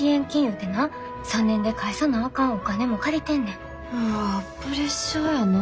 うわぁプレッシャーやな。